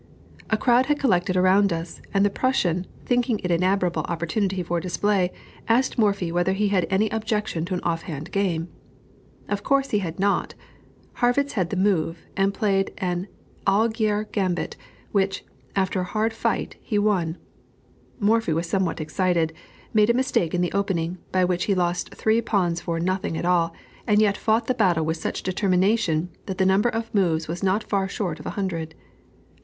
A crowd had collected around us, and the Prussian, thinking it an admirable opportunity for display, asked Morphy whether he had any objection to an off hand game. Of course he had not. Harrwitz had the move, and played an Allgaier Gambit, which, after a hard fight, he won. Morphy was somewhat excited, made a mistake in the opening, by which he lost three pawns for nothing at all, and yet fought the battle with such determination, that the number of moves was not far short of a hundred.